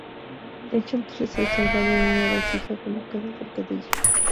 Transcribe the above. Echa entonces el salvado en una vasija colocada cerca de ella.